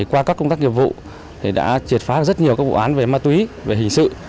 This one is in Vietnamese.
qua các công tác nghiệp vụ thì đã triệt phá rất nhiều các vụ án về ma túy về hình sự